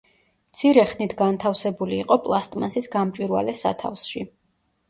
მცირე ხნით განთავსებული იყო პლასტმასის გამჭვირვალე სათავსში.